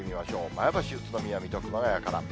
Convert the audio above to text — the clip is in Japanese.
前橋、宇都宮、水戸、熊谷から。